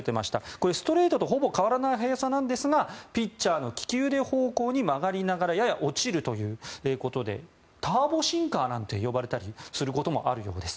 これ、ストレートとほぼ変わらない速さなんですがピッチャーの利き腕方向に曲がりながらやや落ちるということでターボシンカーなんて呼ばれたりすることもあるようです。